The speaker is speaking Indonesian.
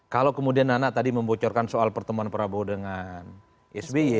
kalau kemudian nana tadi membocorkan soal pertemuan prabowo dengan sby